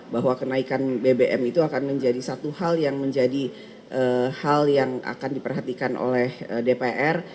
bahwa kenaikan bbm itu akan menjadi satu hal yang menjadi hal yang akan diperhatikan oleh dpr